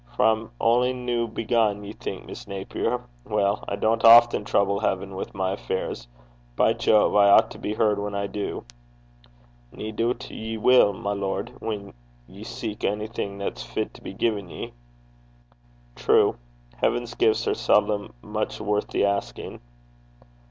'For I'm only new begun, ye think, Miss Naper. Well, I don't often trouble heaven with my affairs. By Jove! I ought to be heard when I do.' 'Nae doobt ye will, my lord, whan ye seek onything that's fit to be gien ye.' 'True. Heaven's gifts are seldom much worth the asking.'